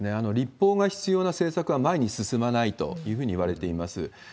立法が必要な政策は前に進まないというふうにいわれています。